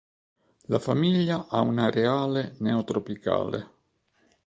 La famiglia ha un areale neotropicale.